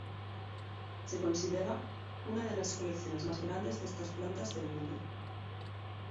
Se considera una de las colecciones más grandes de estas plantas en el mundo.